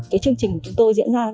cái chương trình của chúng tôi diễn ra